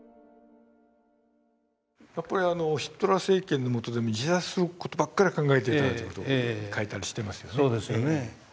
やっぱりあのヒトラー政権のもとで自殺する事ばっかり考えていたという事を書いたりしてますよね。